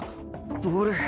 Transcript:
ボール。